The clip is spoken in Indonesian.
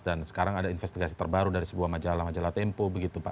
dan sekarang ada investigasi terbaru dari sebuah majalah majalah tempo begitu pak